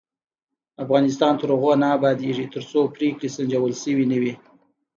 افغانستان تر هغو نه ابادیږي، ترڅو پریکړې سنجول شوې نه وي.